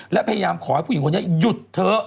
และพยายามขอให้ผู้หญิงคนนี้หยุดเถอะ